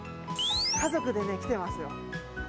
家族でね来てますよ。